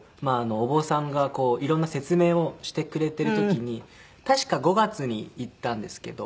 お坊さんが色んな説明をしてくれている時に確か５月に行ったんですけど。